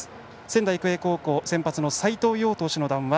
仙台育英高校、先発の斎藤蓉投手の談話